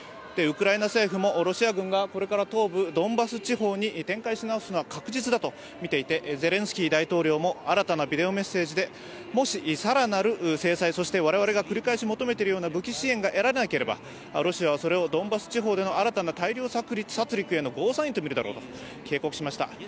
ウクライナ政府もロシア軍がこれから東部ドンバス地方に展開し直すのは確実だと見ていて、ゼレンスキー大統領も新たなビデオメッセージでもし更なる制裁、そして我々が繰り返し求めているような武器支援がえられなければ、ロシアはそれをドンバス地方での新たな大量殺戮へのゴーサインとみるだろうと警告しました。